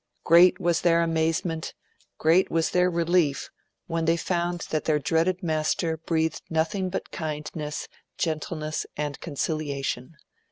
Great was their amazement, great was their relief, when they found that their dreaded master breathed nothing but kindness, gentleness, and conciliation.